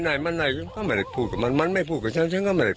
ไหนมันไหนพูดก็มันไม่พูดกับฉันก็ไม่พูด